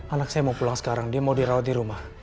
anak saya mau pulang sekarang dia mau dirawat di rumah